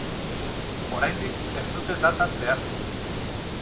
Oraindik ez dute data zehaztu.